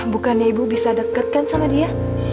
bukannya ibu bisa deketkan sama dia